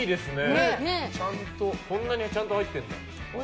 こんなにちゃんと入ってるんだ。